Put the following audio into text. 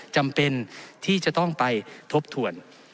จำเป็นที่จะต้องไปทบทวน